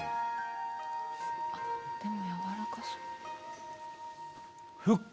あっでも軟らかそう。